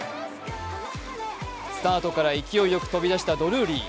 スタートから勢いよく飛び出したドルーリー。